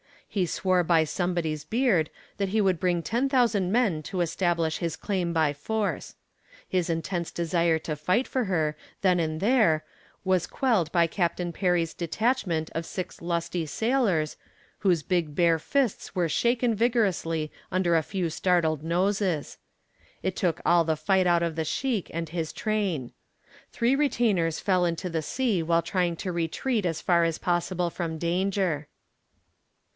He swore by somebody's beard that he would bring ten thousand men to establish his claim by force. His intense desire to fight for her then and there was quelled by Captain Perry's detachment of six lusty sailors, whose big bare fists were shaken vigorously under a few startled noses. It took all the fight out of the sheik and his train. Three retainers fell into the sea while trying to retreat as far as possible from danger.